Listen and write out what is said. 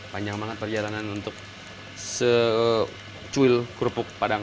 panjang banget perjalanan untuk senyum kerubuk padang